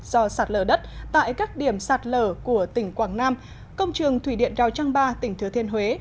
do sạt lở đất tại các điểm sạt lở của tỉnh quảng nam công trường thủy điện rào trăng ba tỉnh thừa thiên huế